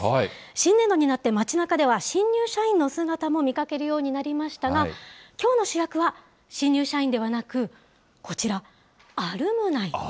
新年度になって街なかでは、新入社員の姿も見かけるようになりましたが、きょうの主役は、新入社員ではなく、こちら、アルムナイです。